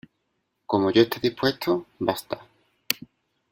como yo esté dispuesto, basta.